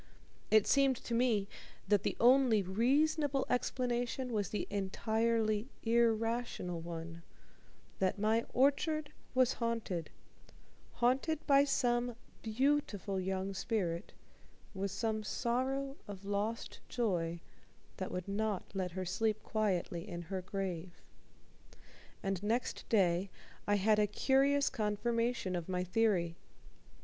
It seemed to me that the only reasonable explanation was the entirely irrational one that my orchard was haunted: haunted by some beautiful young spirit, with some sorrow of lost joy that would not let her sleep quietly in her grave. And next day I had a curious confirmation of my theory.